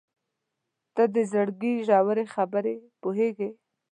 • ته د زړګي ژورې خبرې پوهېږې.